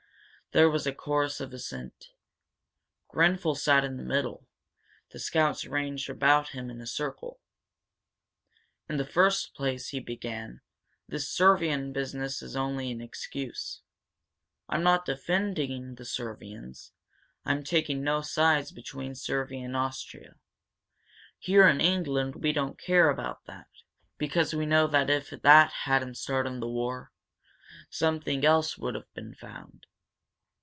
There was a chorus of assent. Grenfel sat in the middle, the scouts ranged about him in a circle. "In the first place," he began, "this Servian business is only an excuse. I'm not defending the Servians I'm taking no sides between Servia and Austria. Here in England we don't care about that, because we know that if that hadn't started the war, something else would have been found.